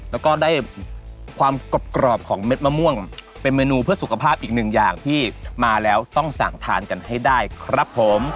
แล้วก็ได้ความกรอบของเม็ดมะม่วงเป็นเมนูเพื่อสุขภาพอีกหนึ่งอย่างที่มาแล้วต้องสั่งทานกันให้ได้ครับผม